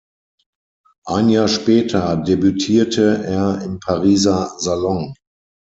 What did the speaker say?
Ein Jahr später debütierte er im Pariser Salon.